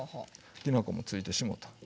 きな粉もついてしもうた。